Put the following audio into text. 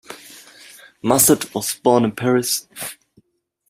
Musset was born in Paris.